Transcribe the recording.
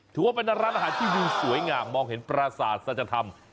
ถือว่าเป็นร้านอาหารที่ดูสวยงามมองเห็นปราศาสตร์สัจธรรม